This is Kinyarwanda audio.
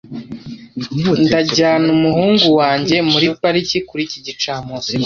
Ndajyana umuhungu wanjye muri pariki kuri iki gicamunsi.